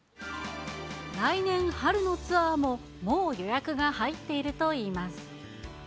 来年春のツアーももう予約が入っているといいます。